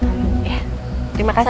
ya terima kasih mbak